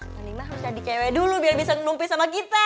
mang liman harus jadi cewek dulu biar bisa nungpis sama kita